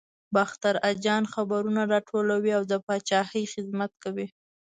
باختر اجان خبرونه راټولوي او د پاچاهۍ خدمت کوي.